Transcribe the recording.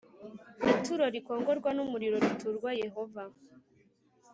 ituro rikongorwa n umuriro riturwa Yehova